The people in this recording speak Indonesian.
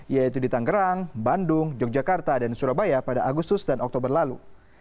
yaitu di tanggerang bandung yogyakarta dan surabaya pada agustus dan oktober lalu